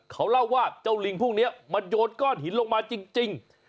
เขาเล่าว่าเจ้าลิงพวกนี้มันโยนก้อนหินลงมาจริง